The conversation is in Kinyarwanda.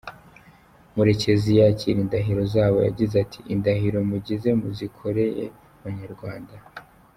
Murekezi yakira indahiro zabo yagize ati “Indahiro mugize muzikoreye Abanyarwanda.